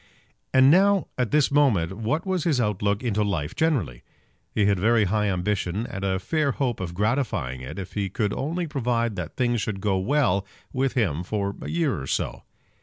And now, at this moment, what was his outlook into life generally? He had very high ambition, and a fair hope of gratifying it if he could only provide that things should go well with him for a year or so.